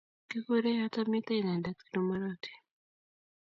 Kiguure yooto mite inendet Rumuruti.